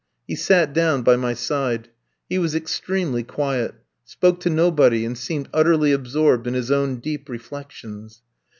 He sat down by my side. He was extremely quiet; spoke to nobody, and seemed utterly absorbed in his own deep reflections.